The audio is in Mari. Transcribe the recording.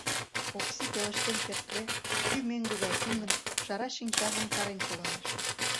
Окси, пелештен кертде, кӱ меҥге гай тӱҥын, шара шинчажым карен шогалеш...